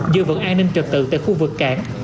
giữ vận an ninh trật tự tại khu vực cảng